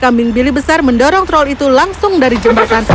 kambing bili besar mendorong troll itu langsung dari jembatan